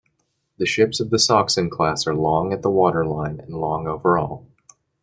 The ships of the "Sachsen" class are long at the waterline and long overall.